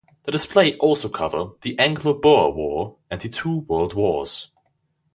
The display also cover the Anglo Boer War and the two World Wars.